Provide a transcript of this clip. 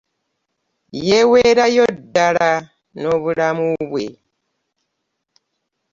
Yeeweerayo ddala n'obulamu bwe.